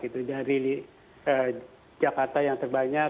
dari jakarta yang terbanyak